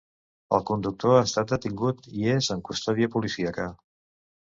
El conductor ha estat detingut i és en custòdia policíaca.